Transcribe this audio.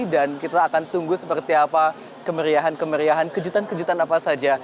dan kita akan tunggu seperti apa kemeriahan kemeriahan kejutan kejutan apa saja